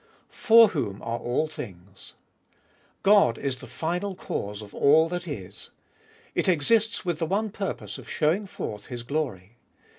For whom are all things. God is the final Cause of all that is. It exists with the one purpose of showing forth His glory.